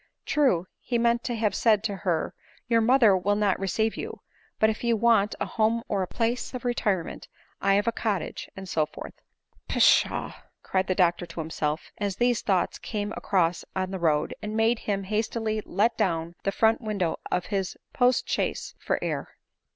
" True," he meant to have said to her, " your mother will not receive you ; but if you ever want a home or a place of retirement, I have a cottage, and so forth." " Pshaw !" cried the doctor to himself, as these thoughts came across him on the road, and made him hastily let down the front window ' of the postchaise for air.